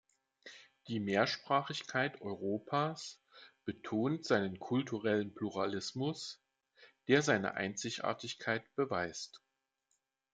Die Mehrsprachigkeit Europas betont seinen kulturellen Pluralismus, der seine Einzigartigkeit beweist.